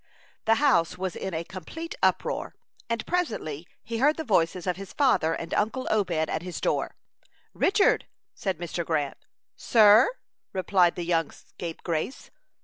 The house was in a complete uproar, and presently he heard the voices of his father and uncle Obed at his door. "Richard," said Mr. Grant. "Sir," replied the young scapegrace.